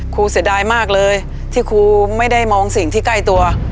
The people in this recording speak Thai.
เสียดายมากเลยที่ครูไม่ได้มองสิ่งที่ใกล้ตัว